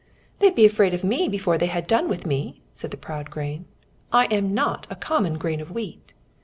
"They'd be afraid of me before they had done with me," said the proud grain. "I am not a common grain of wheat.